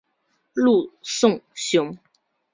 陆颂雄。